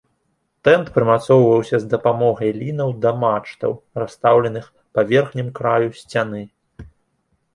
Тэнт прымацоўваўся з дапамогай лінаў да мачтаў, расстаўленых па верхнім краю сцяны.